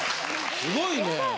すごいね。